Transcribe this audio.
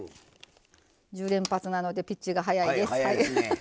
１０連発なのでピッチが早いです。